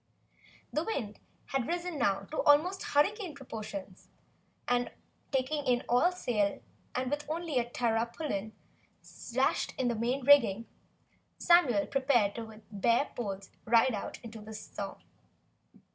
The wind had risen now almost to hurricane proportions, and taking in all sail and with only a tarpaulin lashed in the main rigging, Samuel prepared with bared poles to ride out the storm.